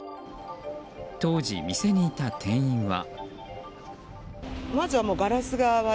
当時、店にいた店員は。